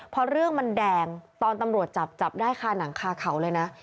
พอเรื่องมันแดงตอนตำรวจจับจับได้คาหนังคาเขาเลยนะ